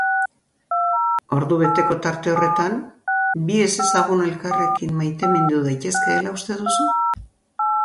Ordubeteko tarte horretan, bi ezezagun elkarrekin maitemindu daitezkeela uste duzu?